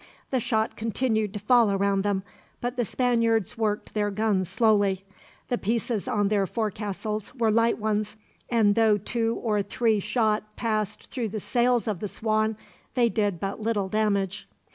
The shot continued to fall around them, but the Spaniards worked their guns slowly. The pieces on their forecastles were light ones, and though two or three shot passed through the sails of the Swan, they did but little damage.